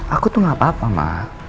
aku tuh gak apa apa mbak